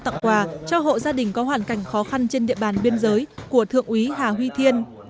tặng quà cho hộ gia đình có hoàn cảnh khó khăn trên địa bàn biên giới của thượng úy hà huy thiên